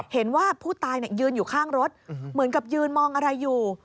เห็นว่าผู้ตายยืนอยู่ข้างรถเหมือนกับยืนมองอะไรอยู่